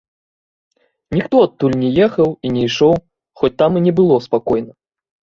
Ніхто адтуль не ехаў і не ішоў, хоць там і не было спакойна.